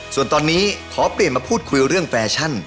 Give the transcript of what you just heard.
ส่วนตอนนี้ขอเปลี่ยนมาพูดคุยเรื่องแฟชั่น